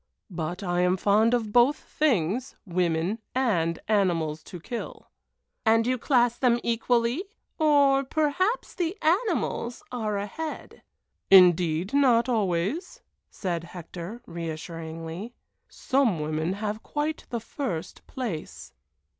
But I am fond of both things women and animals to kill." "And you class them equally or perhaps the animals are ahead." "Indeed not always," said Hector, reassuringly. "Some women have quite the first place."